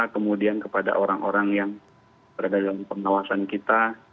kemudian kepada orang orang yang berada dalam pengawasan kita